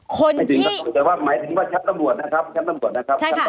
คนที่หมายถึงว่าชั้นตำรวจนะครับ